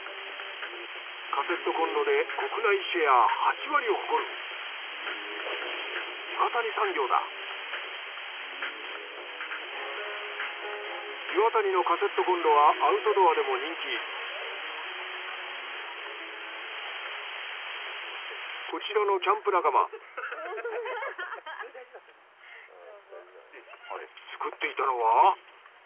カセットこんろで国内シェア８割を誇る岩谷のカセットこんろはアウトドアでも人気こちらのキャンプ仲間作っていたのは。